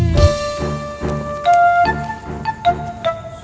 gak setuju dengan pesta